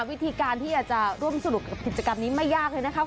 วิธีการที่อยากจะร่วมสนุกกับกิจกรรมนี้ไม่ยากเลยนะครับ